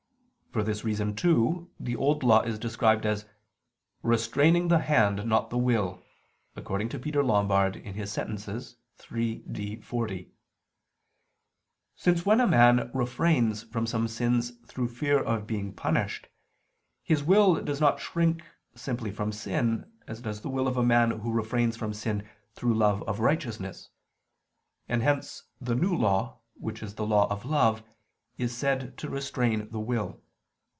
For this reason, too, the Old Law is described as "restraining the hand, not the will" [*Peter Lombard, Sent. iii, D, 40]; since when a man refrains from some sins through fear of being punished, his will does not shrink simply from sin, as does the will of a man who refrains from sin through love of righteousness: and hence the New Law, which is the Law of love, is said to restrain the will.